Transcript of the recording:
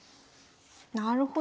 なるほど。